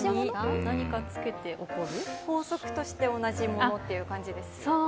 法則として同じものという感じですよね。